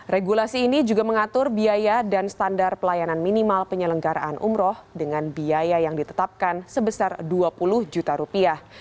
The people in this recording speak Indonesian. regulasi ini juga mengatur biaya dan standar pelayanan minimal penyelenggaraan umroh dengan biaya yang ditetapkan sebesar dua puluh juta rupiah